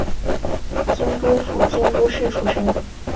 京都府京都市出身。